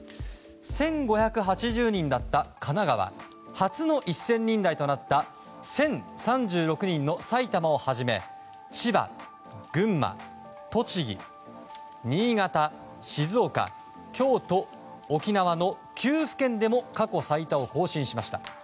１５８０人だった神奈川初の１０００人台となった１０３６人の埼玉をはじめ千葉、群馬、栃木、新潟静岡、京都、沖縄の９府県でも過去最多を更新しました。